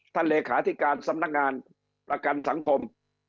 ท่านเหลขาที่การสำนักงานประกันสังคม